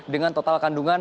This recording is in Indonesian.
dengan total kandungan